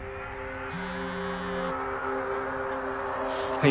はい。